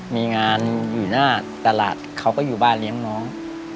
มีงานอยู่หน้าตลาดเขาก็อยู่บ้านเลี้ยงน้อง